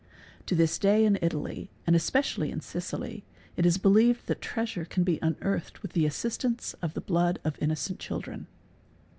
To this day in Italy, and especially in Sicily, itis believed that treasure can be unearthed with the assistance of the blood of innocent children.